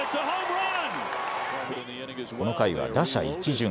この回は打者一巡。